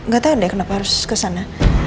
gak tau deh kenapa harus kesana